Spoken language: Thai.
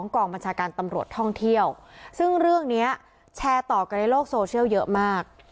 กองบัญชาการตำรวจท่องเที่ยวซึ่งเรื่องนี้แชร์ต่อกันในโลกโซเชียลเยอะมาก